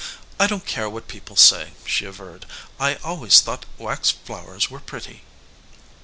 "I don t care what people say," she averred, "I always thought wax flowers were pretty."